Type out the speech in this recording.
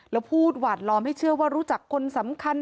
แล้วพูดหวาดล้อมให้เชื่อว่ารู้จักคนสำคัญ